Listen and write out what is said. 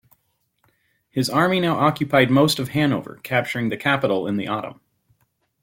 His army now occupied most of Hanover, capturing the capital in the autumn.